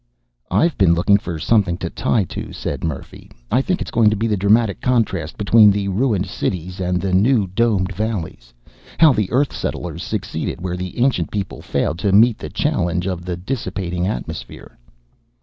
"I've been looking for something to tie to," said Murphy. "I think it's going to be the dramatic contrast between the ruined cities and the new domed valleys. How the Earth settlers succeeded where the ancient people failed to meet the challenge of the dissipating atmosphere."